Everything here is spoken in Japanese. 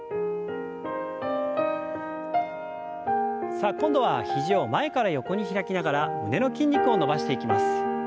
さあ今度は肘を前から横に開きながら胸の筋肉を伸ばしていきます。